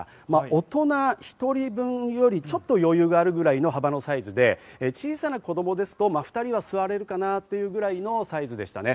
大人１人分よりちょっと余裕があるぐらいの幅のサイズで、小さな子供ですと２人は座れるかなというくらいのサイズでした。